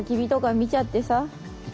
見ちゃって。